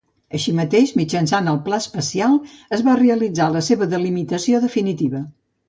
Així mateix, mitjançant el Pla especial, es va realitzar la seva delimitació definitiva.